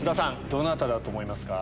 どなただと思いますか？